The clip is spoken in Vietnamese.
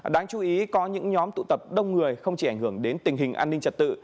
đáng chú ý có những nhóm tụ tập đông người không chỉ ảnh hưởng đến tình hình an ninh trật tự